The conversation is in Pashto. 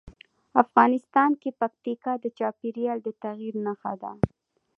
افغانستان کې پکتیکا د چاپېریال د تغیر نښه ده.